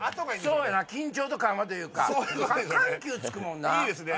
そうやな緊張と緩和というか緩急つくもんないいですね